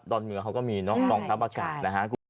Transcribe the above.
ดอนเมืองเขาก็มีน้องมองทัพอากาศนะคะ